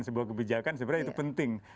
sebuah kebijakan sebenarnya itu penting